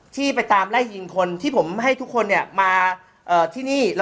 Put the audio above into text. ที่ไปตามไล่ยิงคนที่ผมให้ทุกคนมาที่นี่